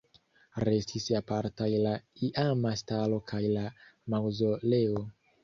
Restis apartaj la iama stalo kaj la maŭzoleo.